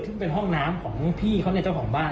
ซึ่งเป็นห้องน้ำของพี่เขาเนี่ยเจ้าของบ้าน